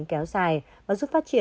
và giúp phát triển các phương tiện